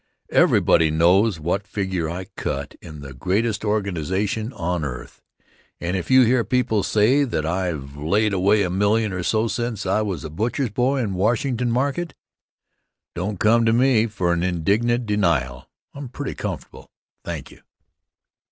Everybody knows what figure I cut in the greatest organization on earth, and if you hear people say that I've laid away a million or so since I was a butcher's boy in Washington Market, don't come to me for an indignant denial I'm pretty comfortable, thank you.